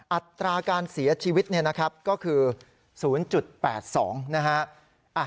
อัตราการเสียชีวิตก็คือ๐๘๒นะฮะ